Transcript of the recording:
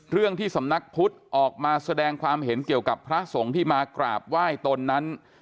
ที่สำนักพุทธออกมาแสดงความเห็นเกี่ยวกับพระสงฆ์ที่มากราบไหว้ตนนั้น